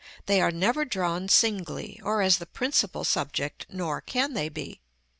They are never drawn singly, or as the principal subject, nor can they be.